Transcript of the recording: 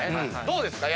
どうですか？